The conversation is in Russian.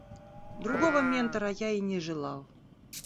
Другого ментора я и не желал.